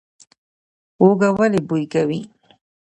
هوږه ولې بوی کوي؟